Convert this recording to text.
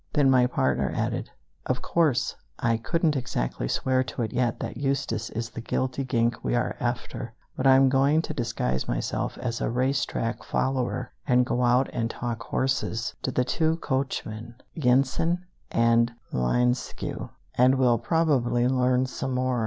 _" Then my partner added: "Of course, I couldn't exactly swear to it yet that Eustace is the guilty gink we are after, but I'm going to disguise myself as a race track follower and go out and talk 'horses' to the two coachmen, Yensen and Linescu, and we'll probably learn some more.